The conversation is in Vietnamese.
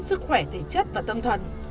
sức khỏe thể chất và tâm thần